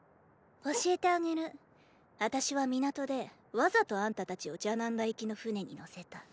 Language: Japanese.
教えてあげる私は港でわざとあんた達をジャナンダ行きの船に乗せた。